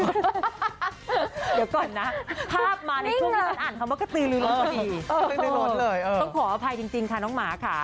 เดี๋ยวก่อนนะภาพมาในช่วงที่ฉันอ่านคำว่ากระตือลือล้นพอดีต้องขออภัยจริงค่ะน้องหมาค่ะ